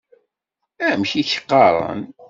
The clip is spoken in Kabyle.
Amek i k-qqaṛen?